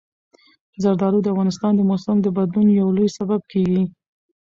زردالو د افغانستان د موسم د بدلون یو لوی سبب کېږي.